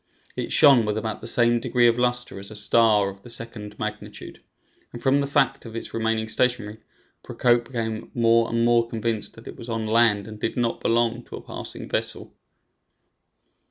It shone with about the same degree of luster as a star of the second magnitude, and from the fact of its remaining stationary, Procope became more and more convinced that it was on land and did not belong to a passing vessel.